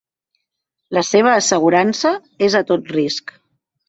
La seva assegurança és a tot risc.